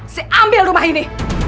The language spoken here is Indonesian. saya ambil rumah ini